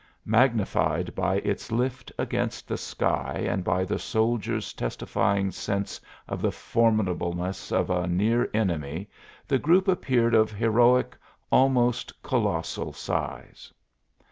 Magnified by its lift against the sky and by the soldier's testifying sense of the formidableness of a near enemy the group appeared of heroic, almost colossal, size.